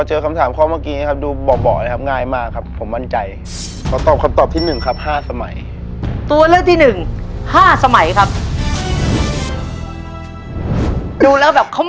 ยายถุงสุดท้ายแล้วเด็กถุงนึงลูกอย่าลืม